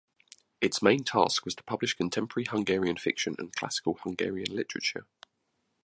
Its main task was to publish contemporary Hungarian fiction and classical Hungarian literature.